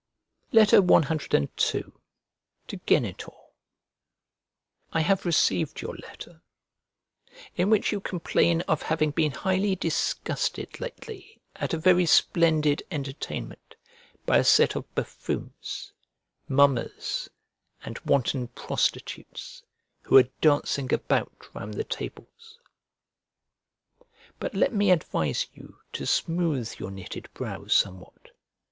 CII To GENITOR I HAVE received your letter, in which you complain of having been highly disgusted lately at a very splendid entertainment, by a set of buffoons, mummers, and wanton prostitutes, who were dancing about round the tables. But let me advise you to smooth your knitted brow somewhat.